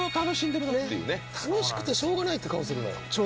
楽しくてしょうがないって顔するのよ。